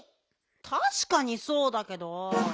たしかにそうだけど。